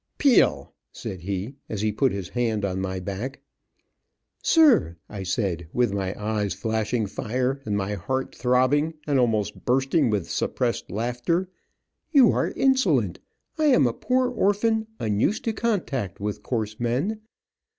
"Peel," said he, as he put his hand on my back, "Sir," I said with my eyes flashing fire, and my heart throbbing, and almost bursting with suppressed laughter, "you are insolent. I am a poor orphan, unused to contact with coarse men.